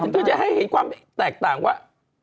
หมายถึงเธอจะให้เห็นความแตกต่างว่า